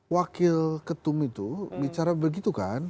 wakil ketum itu bicara begitu kan